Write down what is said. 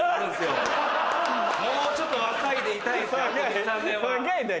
もうちょっと若いでいたいんですよ。